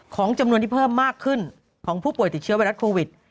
ของจำนวนที่เพิ่มมากขึ้นของผู้ป่วยติดเชื้อไวรัสโควิด